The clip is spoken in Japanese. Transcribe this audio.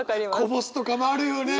こぼすとかもあるよね！